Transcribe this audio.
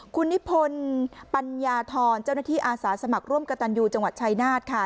คุณนิพนธ์ปัญญาธรเจ้าหน้าที่อาสาสมัครร่วมกระตันยูจังหวัดชายนาฏค่ะ